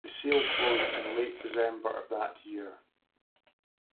The sale closed in late December of that year.